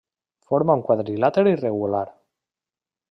Forma un quadrilàter irregular.